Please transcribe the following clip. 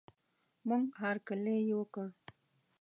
موږ هر کلی یې وکړ.